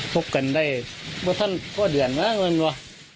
คบกันได้บท่านพ่อเดือนมากมันว่ะ